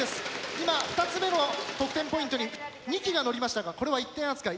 今２つ目の得点ポイントに２機が乗りましたがこれは１点扱い。